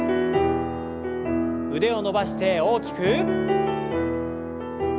腕を伸ばして大きく。